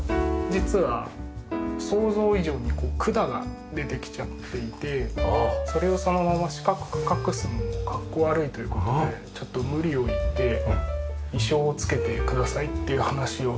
実は想像以上に管が出てきちゃっていてそれをそのまま四角く隠すのもかっこ悪いという事でちょっと無理を言って意匠をつけてくださいっていう話をして。